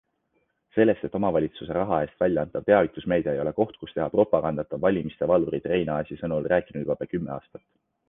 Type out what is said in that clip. Sellest, et omavalitsuse raha eest välja antav teavitusmeedia ei ole koht, kus teha propagandat, on valimiste valvurid Reinaasi sõnul rääkinud juba pea kümme aastat.